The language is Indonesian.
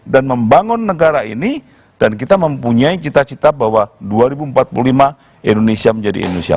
dan membangun negara ini dan kita mempunyai cita cita bahwa dua ribu empat puluh lima indonesia menjadi indonesia